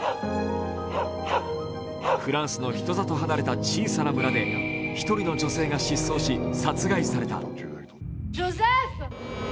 フランスの人里離れた小さな村で一人の女性が失踪し殺害された。